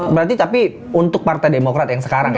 berarti tapi untuk partai demokrat yang sekarang ya